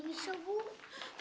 ini yang harus diberikan pak